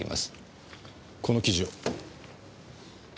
この記事を。